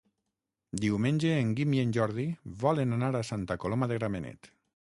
Diumenge en Guim i en Jordi volen anar a Santa Coloma de Gramenet.